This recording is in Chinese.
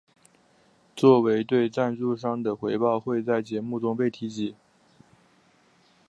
作为对赞助商的回报会在节目中被提及。